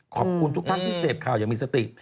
ขอบคุณทุกท่านที่เสพข่าวยังมีสติ